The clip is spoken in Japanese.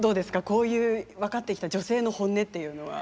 こういう分かってきた女性の本音っていうのは。